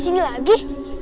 si bu ranti